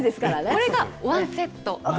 これがワンセット。